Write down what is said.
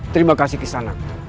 terima kasih kisah nang